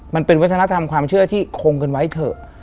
มันเป็นวัฒนธรรมความเชื่อที่คงกันไว้เถอะ